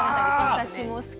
私も好き。